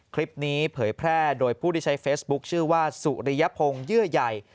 เผยแพร่โดยผู้ที่ใช้เฟซบุ๊คชื่อว่าสุริยพงศ์เยื่อใหญ่